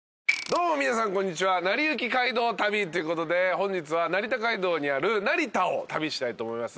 どうも皆さんこんにちは『なりゆき街道旅』ということで本日は成田街道にある成田を旅したいと思います。